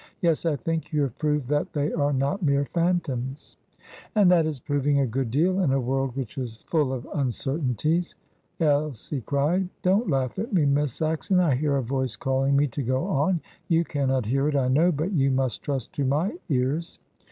"Yes, I think you have proved that they are not mere phantoms." "And that is proving a good deal in a world which is full of uncertainties," Elsie cried. "Don't laugh at me, Miss Saxon; I hear a voice calling me to go on! You cannot hear it, I know, but you must trust to my ears."